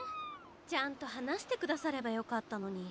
ちゃんと話して下さればよかったのに。